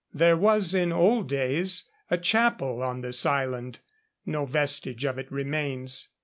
There was in old days a chapel on this island; no vestige of it remains.